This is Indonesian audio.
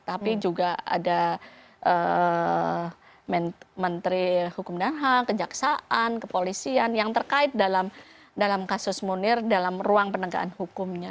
tapi juga ada menteri hukum dan ham kejaksaan kepolisian yang terkait dalam kasus munir dalam ruang penegakan hukumnya